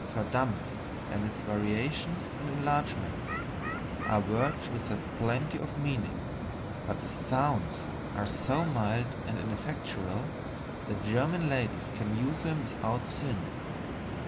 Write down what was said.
1. "Verdammt," and its variations and enlargements, are words which have plenty of meaning, but the SOUNDS are so mild and ineffectual that German ladies can use them without sin.